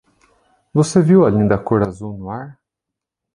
Você viu a linda cor azul no ar?